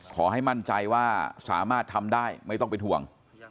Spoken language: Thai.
ขอให้มั่นใจว่าสามารถทำได้ไม่ต้องเป็นห่วง